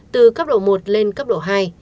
từ cấp độ một lên cấp độ hai